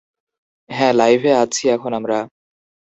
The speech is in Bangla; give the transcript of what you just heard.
হ্যাঁ, লাইভে আছি এখন আমরা!